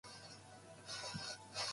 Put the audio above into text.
自信過剰